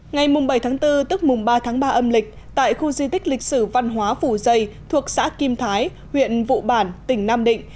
ngày bảy tháng bốn tức mùng ba tháng ba âm lịch tại khu di tích lịch sử văn hóa phủ dây thuộc xã kim thái huyện vụ bản tỉnh nam định